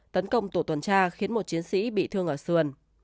tấn công tổ tuần tra khiến một chiến sĩ bị thương ở sườn